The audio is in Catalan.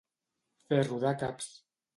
Fer rodar caps.